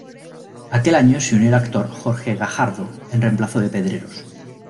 Aquel año se unió el actor Jorge Gajardo en reemplazo de Pedreros.